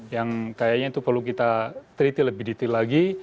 yang kayaknya itu perlu kita teliti lebih detail lagi